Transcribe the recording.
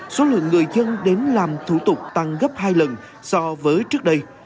số lượng người dân đến làm thủ tục tăng gấp hai lần so với trước đây